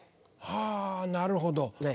はぁなるほど。